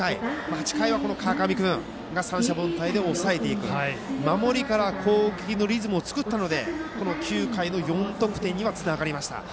８回は川上君が三者凡退で抑えて守りから攻撃のリズムを作ったので９回の４得点にはつながりました。